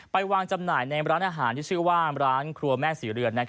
ไปวางจำหน่ายในร้านอาหารที่ชื่อว่าร้านครัวแม่ศรีเรือน